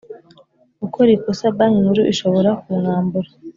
gukora ikosa Banki Nkuru ishobora kumwambura